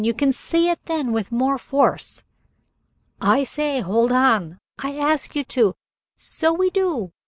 You can say it then with more force." "I say! Hold on! I ask you to " "So we do.